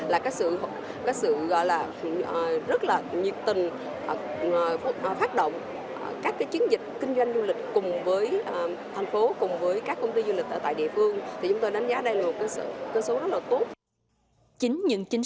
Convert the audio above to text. là có sự rất là nhiệt tình